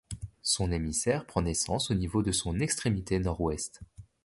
Son émissaire prend naissance au niveau de son extrémité nord-ouest.